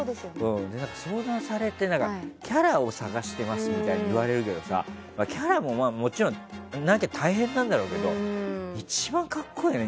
相談されて、キャラを探してますとか言われるけどキャラも、もちろんなきゃ大変なんだろうけど一番格好いいよね